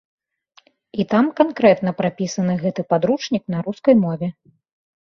І там канкрэтна прапісаны гэты падручнік на рускай мове.